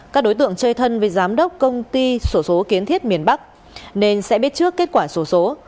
các đối tượng chơi thân với giám đốc công ty sổ số kiến thiết miền bắc nên sẽ biết trước kết quả sổ số